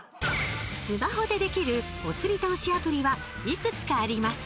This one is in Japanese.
スマホでできるおつり投資アプリはいくつかあります。